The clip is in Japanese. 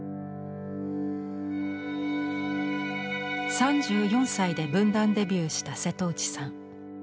３４歳で文壇デビューした瀬戸内さん。